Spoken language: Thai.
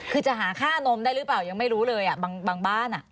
คือจะหาค่านมได้หรือเปล่ายังไม่รู้เลยอ่ะบางบ้านอ่ะ